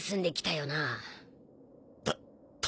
たた